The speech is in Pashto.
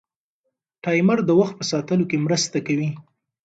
ټایمر د وخت په ساتلو کې مرسته کوي.